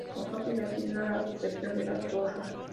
A John se le asigna la protección de la "Dra.